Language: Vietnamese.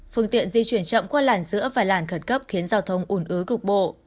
phương tiện di chuyển chậm qua làn giữa vài làn khẩn cấp khiến giao thông ủn ứ cục bộ